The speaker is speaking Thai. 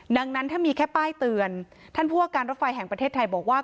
ดังนั้นถ้ามีแค่ป้ายเตือนท่านผู้ว่าการรถไฟแห่งประเทศไทยบอกว่า